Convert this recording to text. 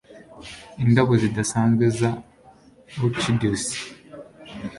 Indabo zidasanzwe za orchideés/orchids